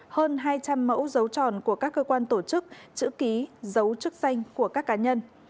hơn hai trăm linh mẫu dấu tròn của các cơ quan tổ chức chữ ký dấu chức danh của các cá nhân